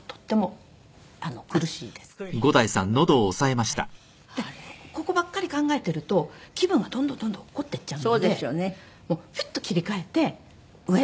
でもここばっかり考えてると気分がどんどんどんどん落っこってっちゃうのでもうヒュッと切り替えて上上上と思って。